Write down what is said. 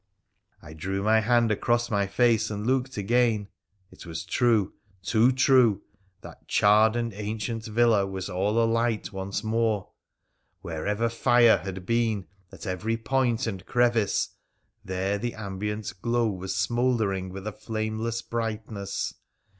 I drew my hand across my face and looked again : it was true, too true — that charred and ancient villa was all alight once more ; wherever fire had z 338 wonderful adventures of been, at every point and crevice, there the ambient glow was smouldering with a nameless brightness.